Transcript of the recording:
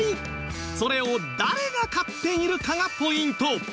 それを誰が買っているかがポイント